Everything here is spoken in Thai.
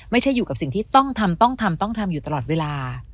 ไม่ใช่อยู่กับสิ่งที่ต้องทำต้องทำต้องทำอยู่ตลอดเวลา